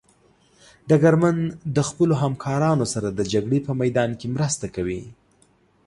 ډګرمن د خپلو همکارانو سره د جګړې په میدان کې مرسته کوي.